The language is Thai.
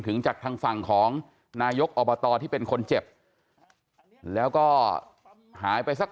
จากทางฝั่งของนายกอบตที่เป็นคนเจ็บแล้วก็หายไปสัก